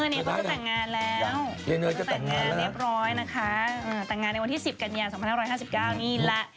นี่เขาจะแต่งงานแล้วเดี๋ยวจะแต่งงานเรียบร้อยนะคะค่ะ